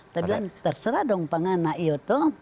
terserah dong pengennya itu tuh